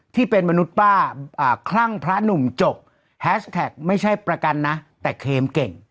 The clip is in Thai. ที่เป็นมนุษย์ป้าอ่าคลั่งพระหนุ่มจบไม่ใช่ประกันนะแต่เข็มเก่ง